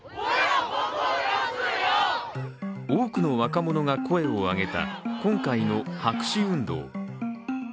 多くの若者が声をあげた、今回の白紙運動。